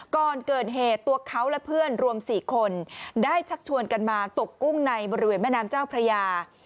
ก่อนเกิดเหตุตัวเขาและเพื่อนรวม๔คนได้ชักชวนกันมาตกกุ้งในบริเวณแม่น้ำเจ้าพระยา